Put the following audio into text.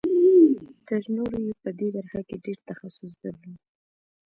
تر نورو یې په دې برخه کې ډېر تخصص درلود